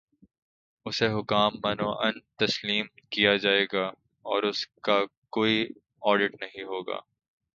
اسے حکما من و عن تسلیم کیا جائے گا اور اس کا کوئی آڈٹ نہیں ہو گا۔